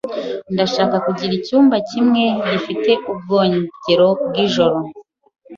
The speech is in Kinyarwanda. Ndashaka kugira icyumba kimwe gifite ubwogero bwijoro.